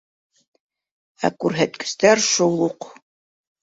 Ә күрһәткестәр - шул уҡ.